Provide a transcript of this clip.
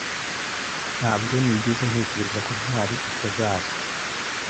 Ntabwo nigeze ntekereza ko Ntwali atazaza.